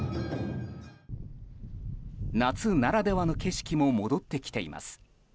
夏ならではの景色も戻ってきています。